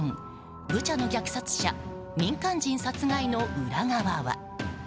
ブチャの虐殺者民間人殺害の裏側は。